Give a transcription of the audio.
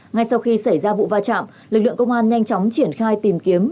ngay sau khi xảy ra vụ va chạm lực lượng công an nhanh chóng triển khai tìm kiếm